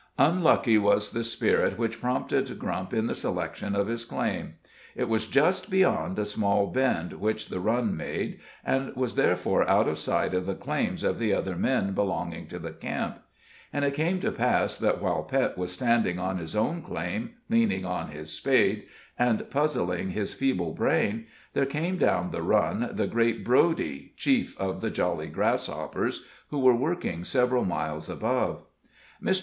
Unlucky was the spirit which prompted Grump in the selection of his claim! It was just beyond a small bend which the Run made, and was, therefore, out of sight of the claims of the other men belonging to the camp. And it came to pass that while Pet was standing on his own claim, leaning on his spade, and puzzling his feeble brain, there came down the Run the great Broady, chief of the Jolly Grasshoppers, who were working several miles above. Mr.